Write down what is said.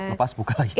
lepas buka lagi